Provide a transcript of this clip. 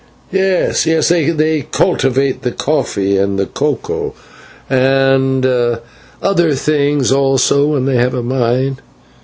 "Yes, yes, they cultivate the coffee and the cocoa, and other things also when they have a mind.